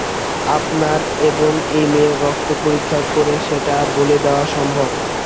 আপনার এবং এই মেয়ের রক্ত পরীক্ষা করে সেটা বলে দেয়া সম্ভব।